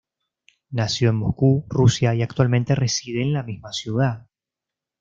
Nació en Moscú, Rusia, y actualmente reside en la misma ciudad.